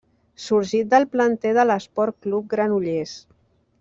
Sorgit del planter de l'Esport Club Granollers.